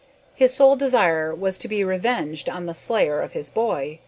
His sole desire was to be revenged on the slayer of his boy.